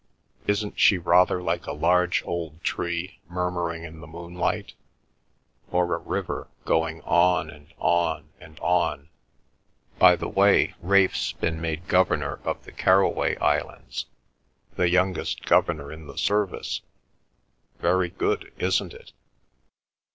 Isn't she rather like a large old tree murmuring in the moonlight, or a river going on and on and on? By the way, Ralph's been made governor of the Carroway Islands—the youngest governor in the service; very good, isn't it?"